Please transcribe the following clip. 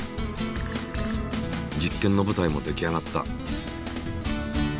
実験のぶたいも出来上がった。